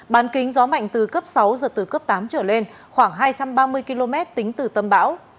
bán kính gió mạnh từ cấp sáu giật từ cấp tám trở lên khoảng hai trăm ba mươi km tính từ tâm bão